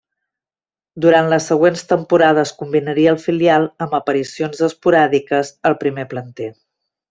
Durant les següents temporades combinaria el filial amb aparicions esporàdiques al primer planter.